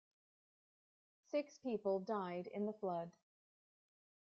Six people died in the flood.